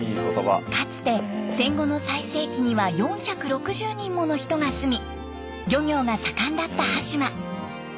かつて戦後の最盛期には４６０人もの人が住み漁業が盛んだった端島。